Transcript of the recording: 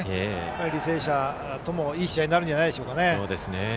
履正社とも、いい試合になるんじゃないでしょうかね。